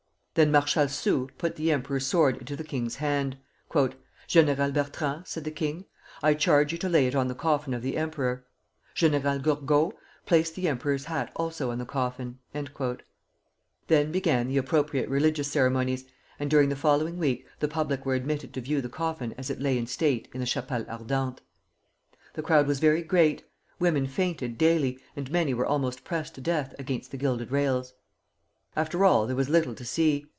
Then Marshal Soult put the Emperor's sword into the king's hand. "General Bertrand," said the king, "I charge you to lay it on the coffin of the Emperor. General Gourgaud, place the Emperor's hat also on the coffin." Then began the appropriate religious ceremonies, and during the following week the public were admitted to view the coffin as it lay in state in the Chapelle Ardente. The crowd was very great. Women fainted daily, and many were almost pressed to death against the gilded rails. After all, there was little to see.